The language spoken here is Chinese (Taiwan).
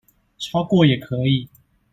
超過也可以